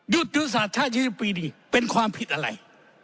ยุทธ์ยุทธศาสตร์ชาติชีวิตปีนี้เป็นความผิดอะไร